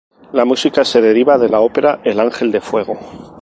La música se deriva de la ópera "El ángel de fuego".